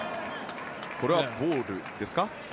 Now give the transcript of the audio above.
これはボールですか。